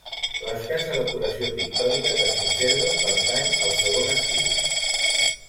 L'escassa decoració pictòrica que es conserva pertany al segon estil.